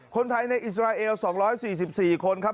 คนไทยในอิสราเอล๒๔๔คนครับ